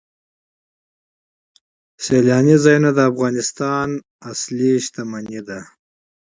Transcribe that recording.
سیلانی ځایونه د افغانستان طبعي ثروت دی.